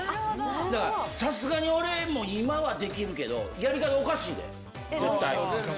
だから、さすがに俺も今はできるけど、やり方おかしいよ、絶対。